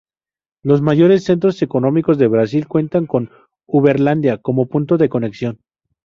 Los mayores centros económicos de Brasil cuentan con Uberlândia como punto de conexión.